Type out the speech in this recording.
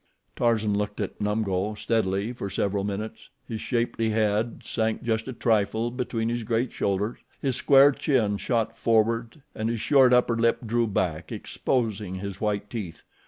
Tarzan looked at Numgo steadily for several minutes, his shapely head sank just a trifle between his great shoulders, his square chin shot forward and his short upper lip drew back, exposing his white teeth.